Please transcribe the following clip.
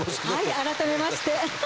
改めまして。